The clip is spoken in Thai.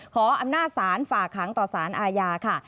ขออำนาจศาลฝากหางต่อสารอาญาค่ะ